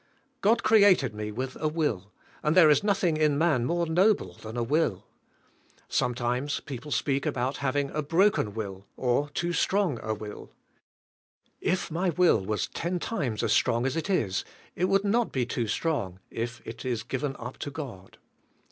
God created me with a will, and there is nothing in man more noble than a will. Sometimes people speak about having a broken will or too strong a will. If 50 THE SPIRITUAL LIFE. my will was ten times as strong as it is, it would not be too strong if it is given up to God.